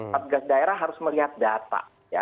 satgas daerah harus melihat data